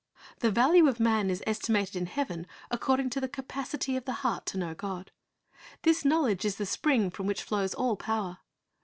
The value of man is estimated in heaven accordine to Talents 355 the capacity of the heart to know God. This knowledge is the spring from which flows all power.